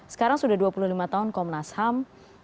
sekarang sudah dua puluh lima tahun komnas ham